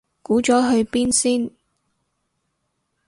估咗去邊先